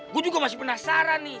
gue juga masih penasaran nih